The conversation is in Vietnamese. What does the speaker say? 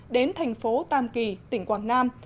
đến thành phố tam kỳ tỉnh quảng nam